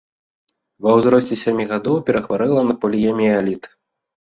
Ва ўзросце сямі гадоў перахварэла на поліяміэліт.